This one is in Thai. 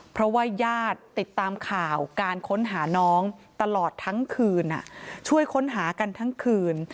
เพราะว่าญาติติดตามข่าวการค้นหาน้องตลอดทั้งคืนช่วยค้นหากันทั้งคืน